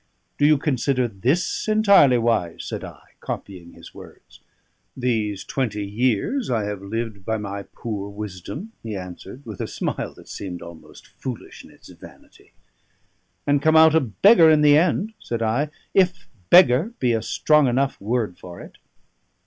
"Do you consider this entirely wise?" said I, copying his words. "These twenty years I have lived by my poor wisdom," he answered with a smile that seemed almost foolish in its vanity. "And come out a beggar in the end," said I, "if beggar be a strong enough word for it."